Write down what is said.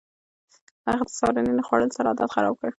هغه د سهارنۍ نه خوړلو سره عادت خراب کړ.